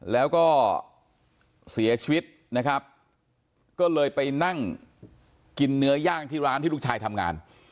แล้วก็เสียชีวิตนะครับก็เลยไปนั่งกินเนื้อย่างที่ร้านที่ลูกชายทำงาน